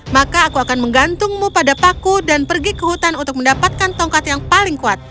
maka aku akan menggantungmu pada paku dan pergi ke hutan untuk mendapatkan tongkat yang paling kuat